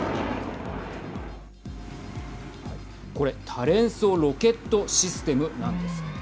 これ、多連装ロケットシステムなんです。